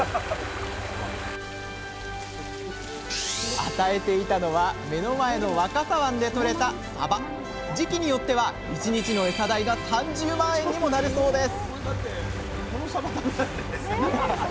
与えていたのは目の前の時期によっては１日のエサ代が３０万円にもなるそうです